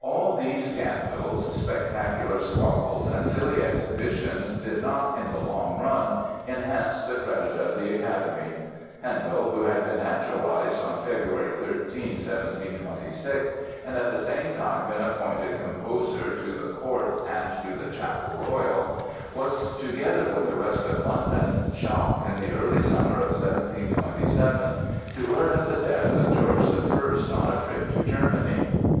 All these scandals, spectacular squabbles and silly exhibitions did not, in the long run, enhance the credit of the Academy. Handel, who had been naturalized on February 13, 1726 and at the same time been appointed Composer to the Court and to the Chapel Royal, was together with the rest of London, shocked in the early summer of 1727, to learn of the death of George I on a trip to Germany.